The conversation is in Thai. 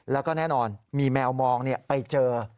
แล้วก็แน่นอนมีแมวมองไปเจอ